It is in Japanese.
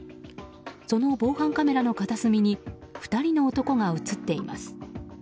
その防犯カメラの片隅に２人の男が映っています。